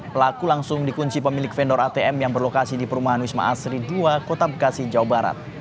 pelaku langsung dikunci pemilik vendor atm yang berlokasi di perumahan wisma asri dua kota bekasi jawa barat